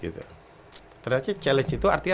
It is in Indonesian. terakhir challenge itu artinya